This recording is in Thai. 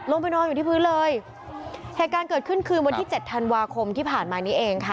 ลงไปนอนอยู่ที่พื้นเลยเหตุการณ์เกิดขึ้นคืนวันที่เจ็ดธันวาคมที่ผ่านมานี้เองค่ะ